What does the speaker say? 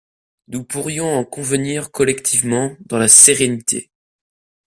Nous pourrions en convenir collectivement, dans la sérénité.